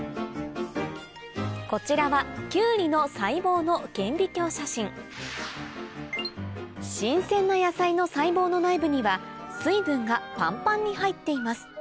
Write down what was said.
こちらはきゅうりの細胞の顕微鏡写真新鮮な野菜の細胞の内部には水分がパンパンに入っています